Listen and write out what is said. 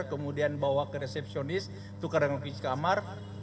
kemudian bawa ke resepsionis tukar dengan fisik kamar